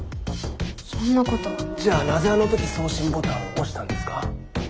じゃあなぜあの時送信ボタンを押したんですか？